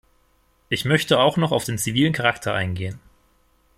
Ich möchte auch noch auf den zivilen Charakter eingehen.